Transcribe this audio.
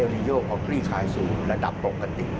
พี่โยนเข้าซุ้นส่วนระดับปกติ